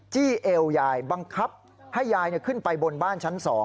เอวยายบังคับให้ยายขึ้นไปบนบ้านชั้น๒